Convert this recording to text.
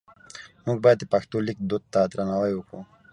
موږ باید د پښتو لیک دود ته درناوی وکړو.